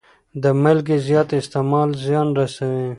د مالګې زیات استعمال زیان رسوي.